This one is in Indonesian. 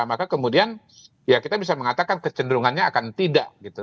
maka kemudian ya kita bisa mengatakan kecenderungannya akan tidak gitu